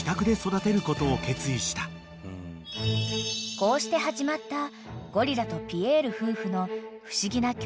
［こうして始まったゴリラとピエール夫婦の］